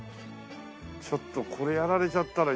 ちょっとこれやられちゃったら許さないな